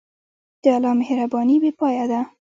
د الله مهرباني بېپایه ده.